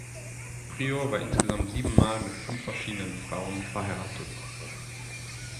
Pryor war insgesamt sieben Mal, mit fünf verschiedenen Frauen, verheiratet.